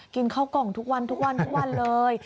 กินข้าวกล่องทุกวันเลย